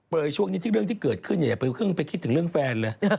ช่วงนี้ที่เรื่องที่เกิดขึ้นอย่าไปเพิ่งไปคิดถึงเรื่องแฟนเลย